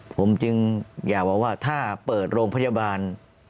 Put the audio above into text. ผมจึงอยากบอกว่าถ้าเปิดโรงพยาบาล